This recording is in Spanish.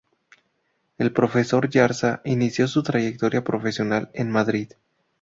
El profesor Yarza inició su trayectoria profesional en Madrid.